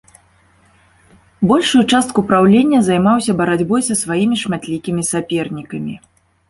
Большую частку праўлення займаўся барацьбой са сваімі шматлікімі сапернікамі.